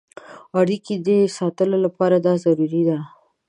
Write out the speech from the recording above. اړیکو د ساتلو لپاره دا ضروري ده.